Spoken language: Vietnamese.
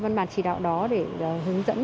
văn bản chỉ đạo đó để hướng dẫn